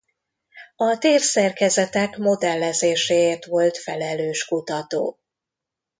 A tér szerkezetek modellezéséért volt felelős kutató.